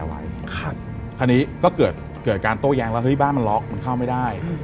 คราวนี้ก็เกิดการโต๊ะแย้งแล้วบ้านมันล็อคมันเข้าไม่ได้